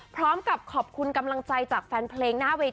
พร้อมกับขอบคุณกำลังใจจากแฟนเพลงหน้าเวที